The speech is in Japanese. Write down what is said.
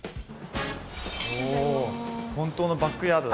お本当のバックヤードだ。